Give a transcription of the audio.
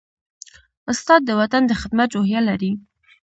استاد د وطن د خدمت روحیه لري.